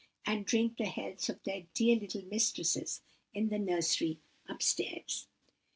—and drink the healths of their dear little mistresses in the nursery up stairs.